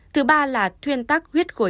thứ ba là thuyên tắc huyết khối